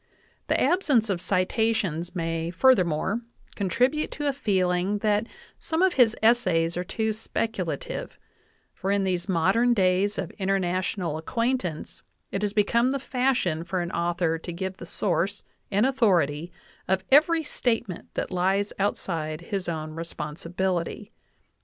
The absence of citations may, furthermore, contribute to a feeling that some of his essays are too speculative, for in these modern days of international acquaintance it has become the fashion for an author to give the source and authority of every state ment that lies outside of his own responsibility.